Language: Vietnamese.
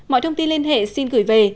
mọi thông tin liên hệ xin gửi về